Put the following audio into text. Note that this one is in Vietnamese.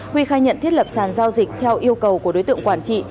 huy khai nhận thiết lập sàn giao dịch theo yêu cầu của đối tượng quản trị